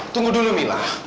tunggu dulu mila